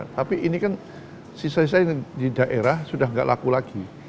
tapi ini kan sisa sisanya di daerah sudah tidak laku lagi